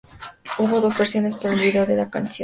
Hubo dos versiones para el vídeo de la canción.